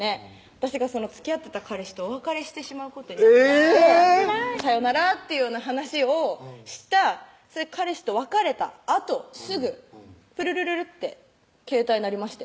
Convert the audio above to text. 私がつきあってた彼氏とお別れしてしまうことになりましてさよならっていうような話をした彼氏と別れたあとすぐプルルルッて携帯鳴りまして